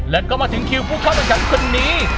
และก็มาถึงคิวผู้เข้าตำรวจคนนี้